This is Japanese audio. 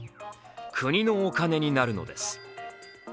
国のお金になるのです。